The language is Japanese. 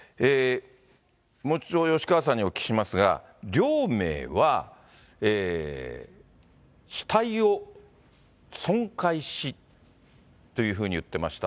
もう一度、吉川さんにお聞きしますが、両名は、死体を損壊しっていうふうに言ってました。